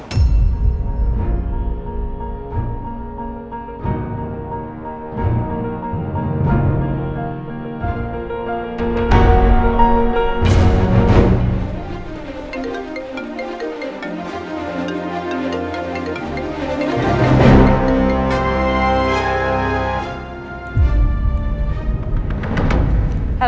sudah buat kita gagal